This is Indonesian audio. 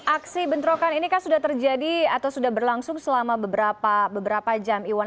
aksi bentrokan ini kan sudah terjadi atau sudah berlangsung selama beberapa jam iwan